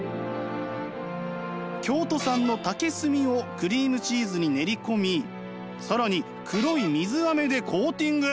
京都産の竹炭をクリームチーズに練り込み更に黒い水アメでコーティング！